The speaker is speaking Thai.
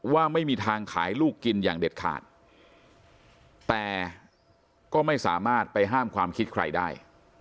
ว่าไม่มีทางขายลูกกินอย่างเด็ดขาดแต่ก็ไม่สามารถไปห้ามความคิดใครได้